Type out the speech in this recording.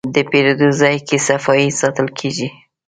د پیرود ځای کې صفایي ساتل کېږي.